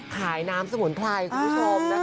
ขายน้ำสมุนไพรคุณผู้ชมนะคะ